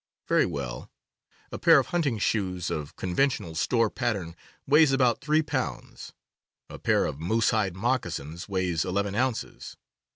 Very well; a pair of hunting shoes of con ventional store pattern weighs about three pounds; a 18 CAMPING AND WOODCRAFT pair of moose hide moccasins weighs eleven ounces.